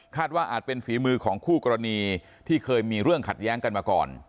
ว่าอาจเป็นฝีมือของคู่กรณีที่เคยมีเรื่องขัดแย้งกันมาก่อน